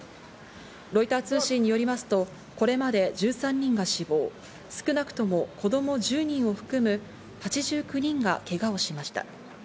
ロイター通信によりますと、これまで１３人が死亡、少なくとも子供１０人を含む８９人がけがをしました。